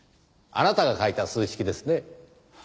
あなたが書いた数式ですね？